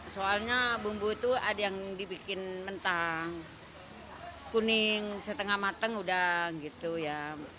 soalnya bumbu itu ada yang dibikin mentah kuning setengah mateng udah gitu ya